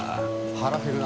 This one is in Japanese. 腹減るな。